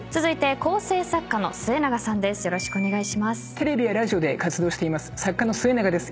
テレビやラジオで活動しています作家の末永です。